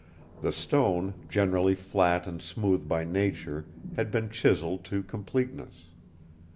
The stone, generally flat and smooth by nature, had been chiselled to completeness.